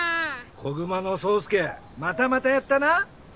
小熊の宗助またまたやったな。